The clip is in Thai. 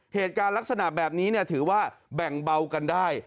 เหตุการณ์ลักษณะแบบนี้ถือว่าแบ่งเบากันได้